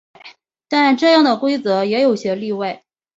但这样的规则也有些例外。